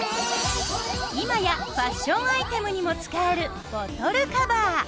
今やファッションアイテムにも使えるボトルカバー。